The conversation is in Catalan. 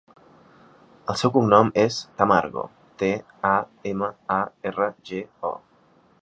El seu cognom és Tamargo: te, a, ema, a, erra, ge, o.